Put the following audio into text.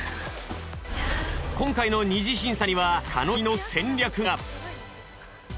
今回の二次審査には彼女なりの戦略が。